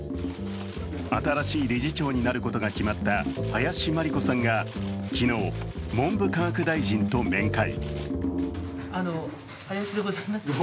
新しい理事長になることが決まった林真理子さんが昨日、文部科学大臣と面会。